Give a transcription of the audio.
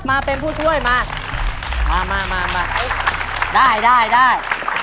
มาเป็นผู้ช่วยมามามาได้ได้ได้